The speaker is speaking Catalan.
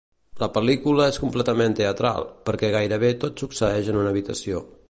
La pel·lícula és completament teatral, perquè gairebé tot succeeix en una habitació.